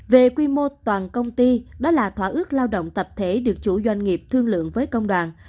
về quy mô toàn công ty đó là thỏa ước lao động tập thể được chủ doanh nghiệp thương lượng với công đoàn